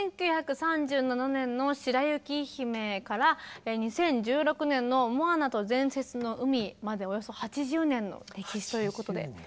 １９３７年の「白雪姫」から２０１６年の「モアナと伝説の海」までおよそ８０年の歴史ということで。